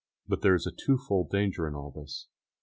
But there is a twofold danger in all this.